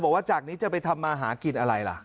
บอกว่าจากนี้จะไปทำมาหากินอะไรล่ะ